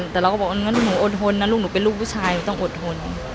แต่เราก็บอกงั้นลูกหนูอดทนนะลูกหนูเป็นลูกผู้ชายหนูต้องอดทน